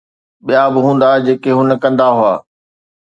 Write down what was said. ٻيا به هوندا، جيڪي هن ڪندا هئا